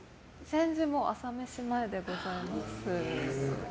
全然、朝飯前でございます。